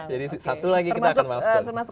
jadi satu lagi kita akan masuk